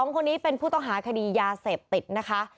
๒คนนี้เป็นผู้ต้องหาคดียาเสพติดนะคะ